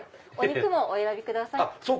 お肉もお選びください。